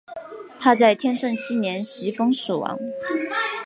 他在天顺七年袭封蜀王。